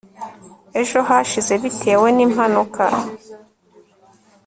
ejo hashize bitewe nimpanuka